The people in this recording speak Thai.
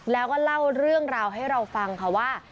แล้วก็เล่าเรื่องราวให้เราฟังค่ะว่า